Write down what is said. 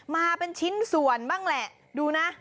มาเป็นชิ้นส่วนบ้างแหละดูนะ